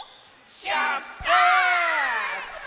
しゅっぱつ！